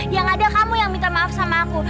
ya gak ada kamu yang minta maaf sama aku